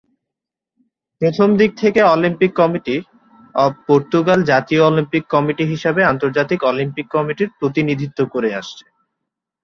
প্রথম দিক থেকে, অলিম্পিক কমিটি অব পর্তুগাল জাতীয় অলিম্পিক কমিটি হিসাবে আন্তর্জাতিক অলিম্পিক কমিটির প্রতিনিধিত্ব করে আসছে।